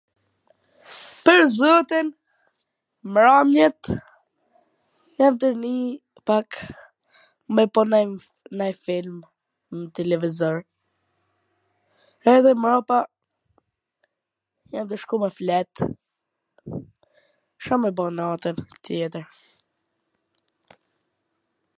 Pwr zotin mbramjet jam tu ndinj pak me po nonj film n televizor, edhe mrapa jam tu shku me flet, Ca me ba natwn tjetwr....